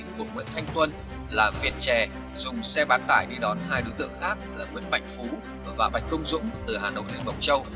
một nguyên thanh tuân là viện trè dùng xe bán tải đi đón hai đối tượng khác là nguyễn bạch phú và bạch công dũng từ hà nội đến mộc châu